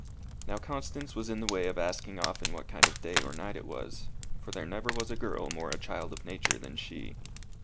Now Constance was in the way of asking often what kind of day or night it was, for there never was a girl more a child of nature than she.